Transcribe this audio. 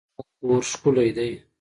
دا کور ښکلی دی.